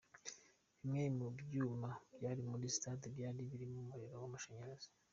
Bimwe mu byuma byari muri stade byari birimo umuriro w’amashanyarazi:.